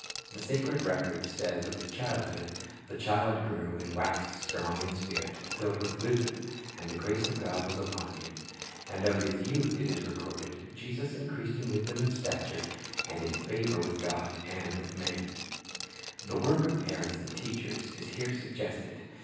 The sacred record says of His childhood, "The child grew, and waxed strong in spirit, filled with wisdom; and the grace of God was upon Him." And of His youth it is recorded, "Jesus increased in wisdom and stature, and in favor with God and man."' The work of parents and teachers is here suggested.